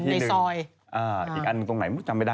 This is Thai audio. อีกอันตรงไหนอย่างมุดจำไม่ได้